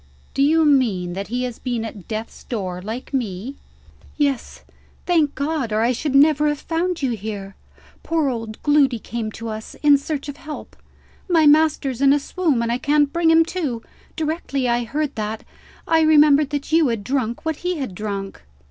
"Do you mean that he has been at death's door, like me?" "Yes, thank God or I should never have found you here. Poor old Gloody came to us, in search of help. 'My master's in a swoon, and I can't bring him to.' Directly I heard that, I remembered that you had drunk what he had drunk.